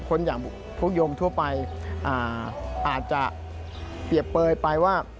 คนอย่างพวกโยมทั่วไปอาจจะเปรียบเปลยไปว่า